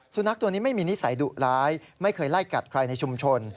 สุนัขตัวนี้ไม่มีนิสัยดุร้ายไม่เคยไล่กัดใครในชุมชน